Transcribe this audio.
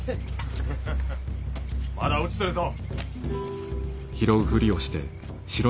まだ落ちとるぞ。